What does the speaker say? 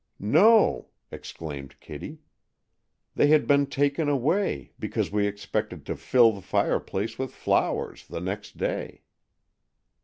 "No," exclaimed Kitty; "they had been taken away, because we expected to fill the fireplace with flowers the next day."